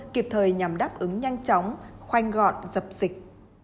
kịp thời nhằm đáp ứng nhanh chóng khoanh gọn dập dịch